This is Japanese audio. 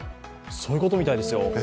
そういうことみたいですよ。